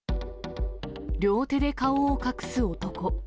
両手で顔を隠す男。